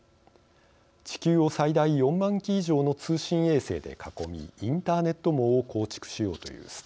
地球を最大４万機以上の通信衛星で囲みインターネット網を構築しようというスターリンク計画。